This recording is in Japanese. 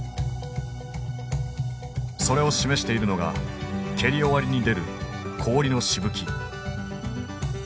それを示しているのが蹴り終わりに出る氷のしぶき。